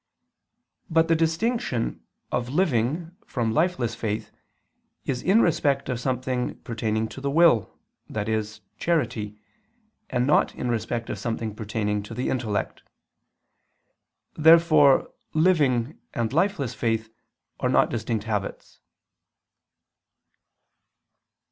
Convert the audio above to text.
But the distinction of living from lifeless faith is in respect of something pertaining to the will, i.e. charity, and not in respect of something pertaining to the intellect. Therefore living and lifeless faith are not distinct habits.